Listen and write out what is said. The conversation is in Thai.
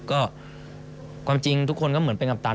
ก็ความจริงทุกคนก็เหมือนเป็นกัปตัน